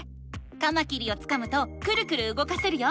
カマキリをつかむとクルクルうごかせるよ。